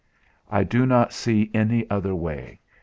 I do not see any other way.